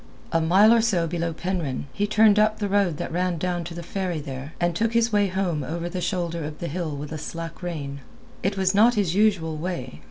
A mile or so below Penryn, he turned up the road that ran down to the ferry there, and took his way home over the shoulder of the hill with a slack rein. It was not his usual way.